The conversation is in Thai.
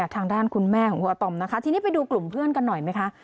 ทางด้านคุณแม่ของคุณอาตอมนะคะทีนี้ไปดูกลุ่มเพื่อนกันหน่อยไหมคะ